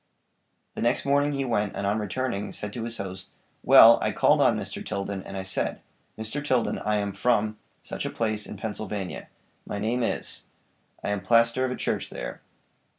The next morning he went, and on returning said to his host: "Well, I called on Mr. Tilden, and I said: 'Mr. Tilden, I am from , such a place, in Pennsylvania. My name is . I am pastor of a church there.